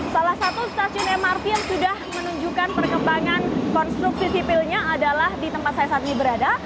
salah satu stasiun mrt yang sudah menunjukkan perkembangan konstruksi sipilnya adalah di tempat saya saat ini berada